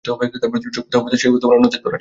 চোখ বাঁধা অবস্থায় সে অন্যদের ধরার চেষ্টা করে।